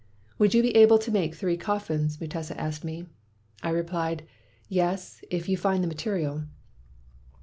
" 'Would you be able to make the three coffins?' Mutesa asked me. "I replied, 'Yes, if you find the material.'